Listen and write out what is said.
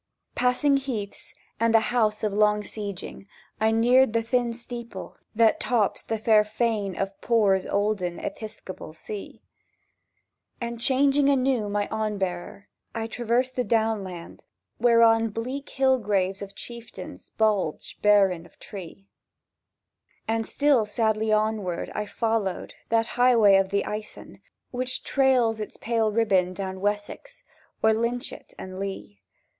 Passing heaths, and the House of Long Sieging, I neared the thin steeple That tops the fair fane of Poore's olden Episcopal see; And, changing anew my onbearer, I traversed the downland Whereon the bleak hill graves of Chieftains Bulge barren of tree; And still sadly onward I followed That Highway the Icen, Which trails its pale riband down Wessex O'er lynchet and lea.